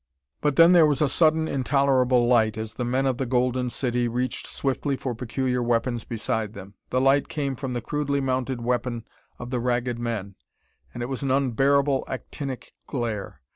But then there was a sudden intolerable light as the men of the Golden City reached swiftly for peculiar weapons beside them. The light came from the crudely mounted weapon of the Ragged Men, and it was an unbearable actinic glare.